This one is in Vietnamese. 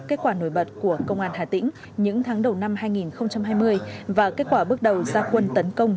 kết quả nổi bật của công an hà tĩnh những tháng đầu năm hai nghìn hai mươi và kết quả bước đầu gia quân tấn công